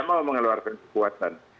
dia tidak mau mengeluarkan kekuatan